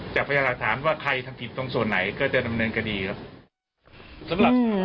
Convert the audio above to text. พยายามหลักฐานว่าใครทำผิดตรงส่วนไหนก็จะดำเนินคดีครับ